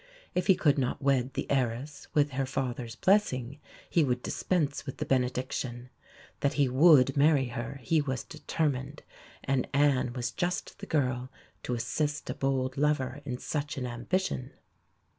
If he could not wed the heiress with her father's blessing, he would dispense with the benediction. That he would marry her he was determined; and Anne was just the girl to assist a bold lover in such an ambition.